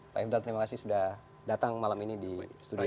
pak ifdal terima kasih sudah datang malam ini di studio